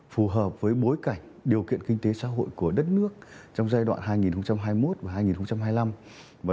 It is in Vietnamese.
phù hợp với bối cảnh điều kiện kinh tế xã hội của đất nước trong giai đoạn hai nghìn hai mươi một và hai nghìn hai mươi năm